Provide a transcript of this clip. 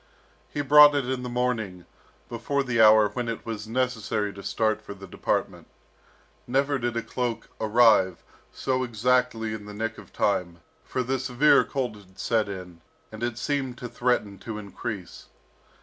He brought it in the morning, before the hour when it was necessary to start for the department. Never did a cloak arrive so exactly in the nick of time, for the severe cold had set in, and it seemed to threaten to increase.